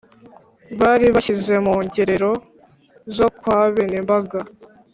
Balibashyize mu ngerero zo kwa bene Mbaga